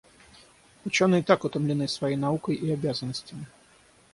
Ученые и так утомлены своей наукой и обязанностями.